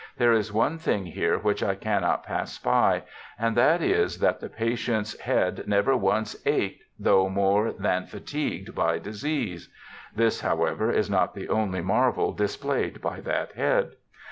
There is one thing here which I cannot pass by, and that is that the patient's head never once ached though more than fatigued by disease. This, however, is not the only marvel displayed by that head.